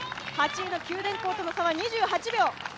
８位の九電工との差は２８秒。